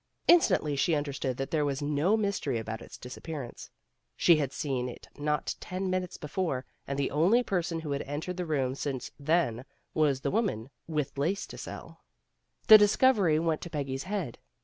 In stantly she understood that there was no mystery about its disappearance. She had seen it not ten minutes before, and the only person who had entered the room since then was the woman with lace to sell. 300 PEGGY RAYMOND'S WAY The discovery went to Peggy's head.